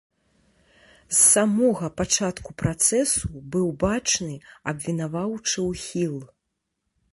З самога пачатку працэсу быў бачны абвінаваўчы ўхіл.